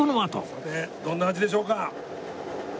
さてどんな味でしょうか？